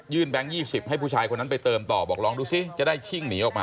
ยื่นแบงค์๒๐ให้ผู้ชายคนนั้นไปเติมต่อบอกลองดูซิ